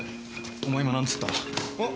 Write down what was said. お前今何つった？あっ？